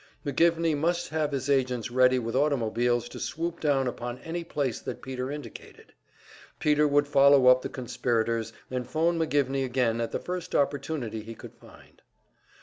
McGivney must have his agents ready with automobiles to swoop down upon any place that Peter indicated. Peter would follow up the conspirators, and phone McGivney again at the first opportunity he could find.